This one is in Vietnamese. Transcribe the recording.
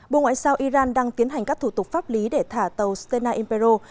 bộ ngoại giao iran đang tiến hành các thủ tục pháp lý để thả tàu sena imperial